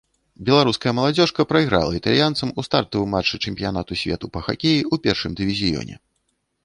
Беларуская маладзёжка прайграла італьянцам у стартавым матчы чэмпіянату свету па хакеі ў першым дывізіёне.